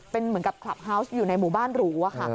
เป็นเหมือนกับคลับเฮาวส์อยู่ในหมู่บ้านหรูอะค่ะ